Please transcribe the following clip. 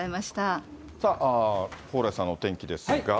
さあ、蓬莱さんのお天気ですが。